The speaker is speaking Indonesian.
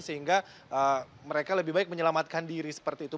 sehingga mereka lebih baik menyelamatkan diri seperti itu